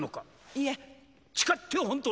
いいえ誓って本当